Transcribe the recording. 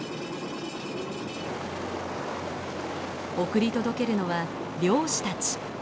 送り届けるのは漁師たち。